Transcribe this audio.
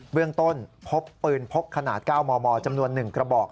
เรื่องต้นพบปืนพกขนาด๙มมจำนวน๑กระบอก